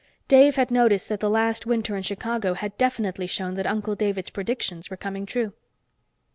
Dave had noticed that the last winter in Chicago had definitely shown that Uncle David's predictions were coming true.